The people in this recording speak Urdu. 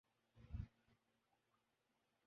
عروہ نے رنگریزا میں ثناء جاوید کی جگہ لے لی